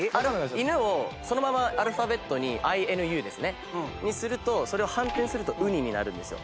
犬をそのままアルファベットに「ｉｎｕ」にするとそれを反転すると「ｕｎｉ」になるんですよ。